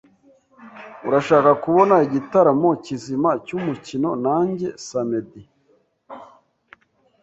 Urashaka kubona igitaramo kizima cyumukino nanjye samedi?